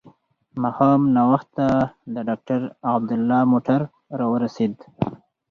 ماښام ناوخته د ډاکټر عبدالله موټر راورسېد.